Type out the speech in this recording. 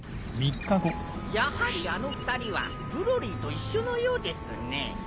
やはりあの２人はブロリーと一緒のようですね。